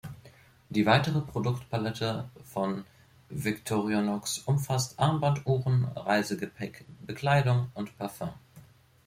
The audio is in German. Die weitere Produktpalette von Victorinox umfasst Armbanduhren, Reisegepäck, Bekleidung und Parfum.